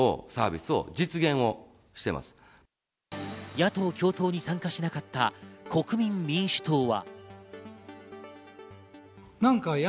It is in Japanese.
野党共闘に参加しなかった国民民主党は。